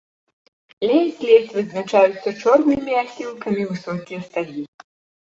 Ледзь-ледзь вызначаюцца чорнымі асілкамі высокія стагі.